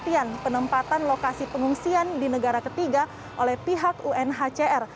pengertian penempatan lokasi pengungsian di negara ketiga oleh pihak unhcr